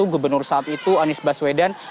gubernur saat itu anies baswedan